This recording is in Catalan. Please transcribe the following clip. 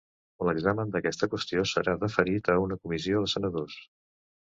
L'examen d'aquesta qüestió serà deferit a una comissió de senadors.